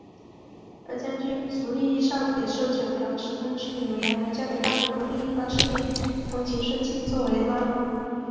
而将军足利义昭也收九条植通之女为养女嫁给大和国另一方势力筒井顺庆作为拉拢。